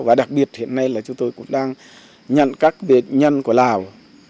và đặc biệt hiện nay là chúng tôi cũng đang nhận các nghệ nhân của lào